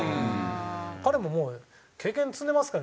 彼ももう経験積んでますから。